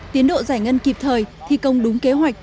tiến độ giải ngân kịp thời thi công đúng kế hoạch